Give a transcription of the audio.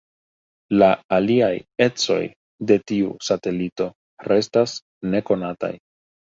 La aliaj ecoj de tiu satelito restas nekonataj.